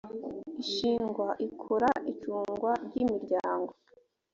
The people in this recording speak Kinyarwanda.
ishingwa ikora icungwa ry imiryango